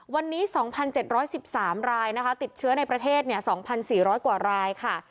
วันนี้๒๗๑๓รายนะคะติดเชื้อในประเทศ๒๔๐๐กว่ารายค่ะ